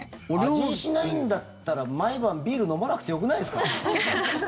味しないんだったら毎晩ビール飲まなくてよくないですか？